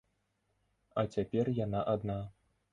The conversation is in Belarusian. А цяпер яна адна.